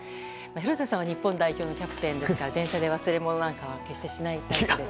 廣瀬さんは日本代表のキャプテンで電車で忘れ物なんかは決してしないですよね？